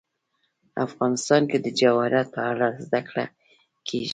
افغانستان کې د جواهرات په اړه زده کړه کېږي.